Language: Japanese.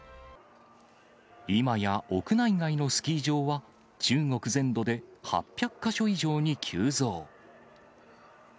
今や、屋内外のスキー場は、中国全土で８００か所以上に急増。